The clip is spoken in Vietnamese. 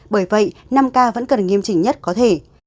bởi vậy năm k vẫn cần nghiêm chỉnh nhất có thể